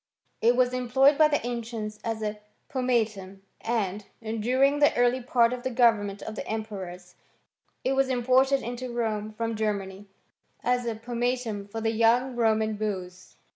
It was employed by the ancients as a pomatum ; and, during the early part of the government of the emperors, it was imported into Rome from Germany, as a pomatum for the young Roman beaus.